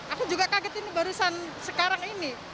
aku juga kaget ini barusan sekarang ini